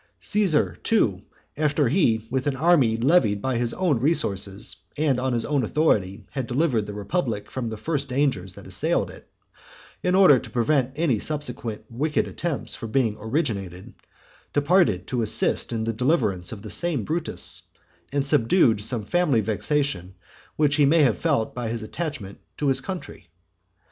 Caesar, too, after he, with an army levied by his own resources and on his own authority, had delivered the republic from the first dangers that assailed it, in order to prevent any subsequent wicked attempts from being originated, departed to assist in the deliverance of the same Brutus, and subdued some family vexation which he may have felt by his attachment to his country.